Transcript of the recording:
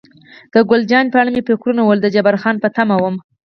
د ګل جانې په اړه مې فکرونه وهل، د جبار خان په تمه وم.